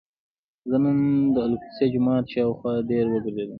زه نن د الاقصی جومات شاوخوا ډېر وګرځېدم.